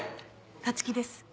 立木です。